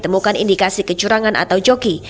temukan indikasi kecurangan atau joki